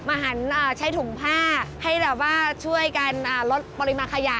หันใช้ถุงผ้าให้แบบว่าช่วยกันลดปริมาณขยะ